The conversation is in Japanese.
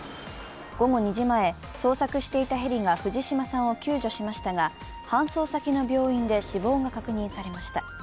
午後２時前、捜索していたヘリが藤島さんを救助しましたが、搬送先の病院で死亡が確認されました。